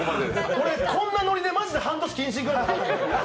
俺、こんなノリでほんまに半年謹慎くらった。